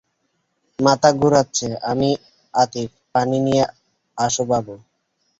মাথা ঘুরাচ্ছে আমার আতিফ, পানি নিয়ে আস বাবু।